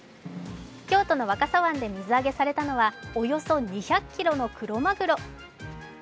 京都の若狭湾で水揚げされたのはおよそ２００ｋｇのクロマグロ。